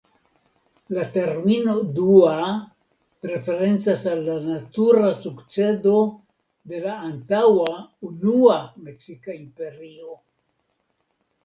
La termino «dua» referencas al la natura sukcedo de la antaŭa Unua Meksika Imperio.